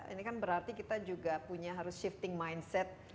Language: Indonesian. ini kan berarti kita juga punya harus shifting mindset